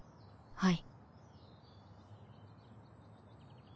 はい！